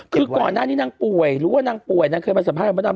คือก่อนหน้านี้นางป่วยหรือว่านางป่วยนางเคยมาสัมภาษณ์